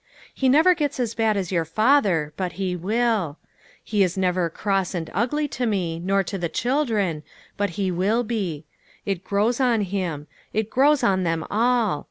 He never gets as bad as your father ; but he will. He is never cross and ugly to me, nor to the children, but he will be. It grows on him. It grows on them all.